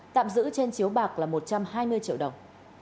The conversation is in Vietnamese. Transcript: tạm giữ trên chiếu bạc là một trăm hai mươi triệu đồng